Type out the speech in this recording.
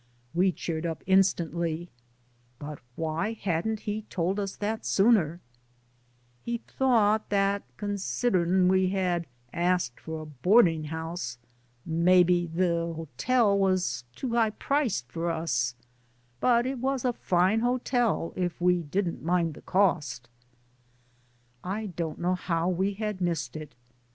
*' We cheered up instantly. But why hadn't he told us tiiat sooner t He thought that ^^consid erin' we had asked for a boarding house, mebbe th' hotel it was too high priced for us, but it was a fine hotel if we didn't mind the cost" I don't know how we had missed it.